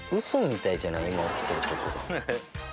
今起きてることが。